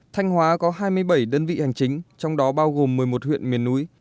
thanh hóa có hai mươi bảy đơn vị hành chính trong đó bao gồm một mươi một huyện miền núi